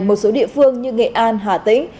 một số địa phương như nghệ an hà tĩnh